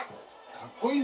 かっこいい。